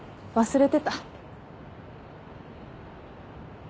忘れてた。